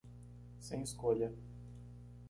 Sem escolha